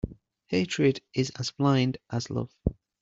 Hatred is as blind as love.